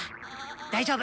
大丈夫！